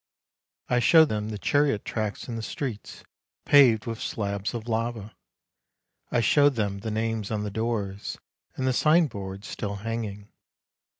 I showed them the chariot tracks in the streets paved with slabs of lava; I showed them the names on the doors and the signboards still hanging.